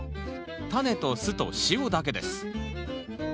タネと酢と塩だけです。